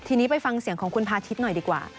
ทีนี้ไปฟังเสียงของคุณพาทิศหน่อยดีกว่า